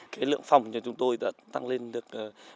cái lượng phòng của chúng tôi đã tăng lên được một mươi tám